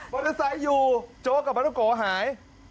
มอเตอร์ไซส์อยู่โจ้กกับมาทุกโกหาย